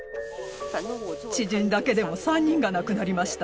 知人だけでも３人が亡くなりました。